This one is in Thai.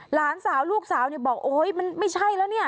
หลานสาวลูกสาวเนี่ยบอกโอ๊ยมันไม่ใช่แล้วเนี่ย